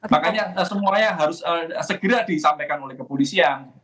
makanya semuanya harus segera disampaikan oleh kepolisian